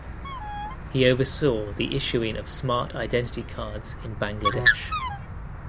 He oversaw the issuing of smart identity cards in Bangladesh.